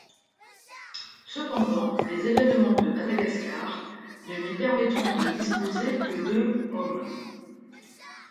Cependant, les évènements de Madagascar ne lui permettront de disposer que de hommes.